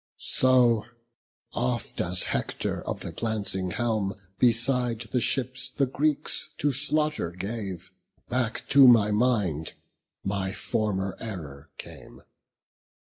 So, oft as Hector of the glancing helm Beside the ships the Greeks to slaughter gave, Back to my mind my former error came.